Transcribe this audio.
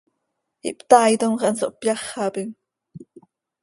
Ihptaaitom x, hanso hpyáxapim.